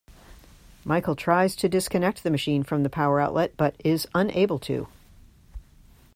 Michael tries to disconnect the machine from the power outlet, but is unable to.